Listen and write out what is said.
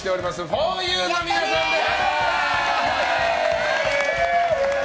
ふぉゆの皆さんです！